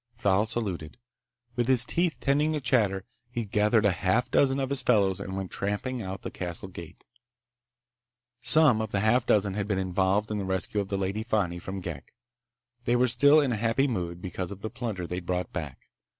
Thal saluted. With his teeth tending to chatter, he gathered a half dozen of his fellows and went tramping out the castle gate. Some of the half dozen had been involved in the rescue of the Lady Fani from Ghek. They were still in a happy mood because of the plunder they'd brought back.